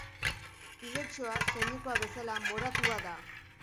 Igeltxoa, soinekoa bezala, moratua da.